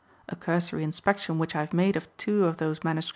A cursory inspection which I have made of two of those MSS.